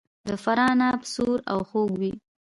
د فراه عناب سور او خوږ وي.